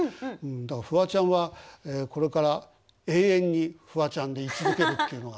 だからフワちゃんはこれから永遠にフワちゃんでい続けるっていうのが。